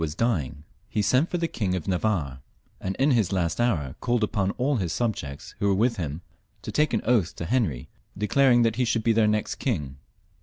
was dying, he sent for the King of Navarre, and in his last hour called upon all his subjects who were with him to take an oath to Heniy, declaring that he should be their next king.